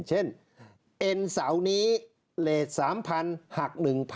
เช่นเอ็นเสาร์นี้เลส๓๐๐๐หัก๑๐๐๐